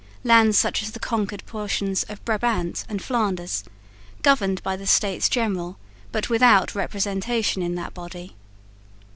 _ lands such as the conquered portions of Brabant and Flanders, governed by the States General, but without representation in that body.